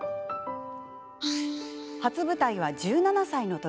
初舞台は１７歳の時。